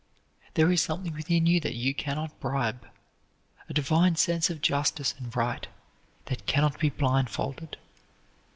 There is something within you that you cannot bribe; a divine sense of justice and right that can not be blindfolded.